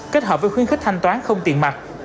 kết hợp với khuyến khích thanh toán không tiền mặt